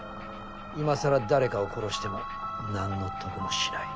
今更誰かを殺しても何の得もしない。